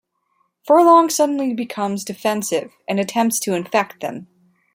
Furlong suddenly becomes defensive and attempts to infect them.